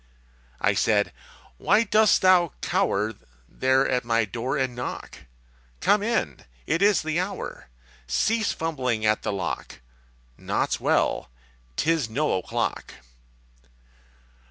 I said, _Why dost thou cower There at my door and knock? Come in! It is the hour! Cease fumbling at the lock! Naught's well! 'Tis no o'clock!